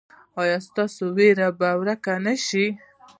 ایا ستاسو ویره به ورکه نه شي؟